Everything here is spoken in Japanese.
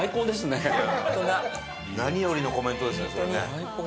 何よりのコメントですねそれね。